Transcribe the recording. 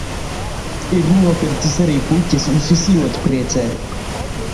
Ir nopircis arī puķes, šis ļoti priecē.